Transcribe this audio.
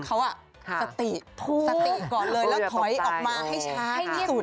เขาสติสติก่อนเลยแล้วถอยออกมาให้ช้าที่สุด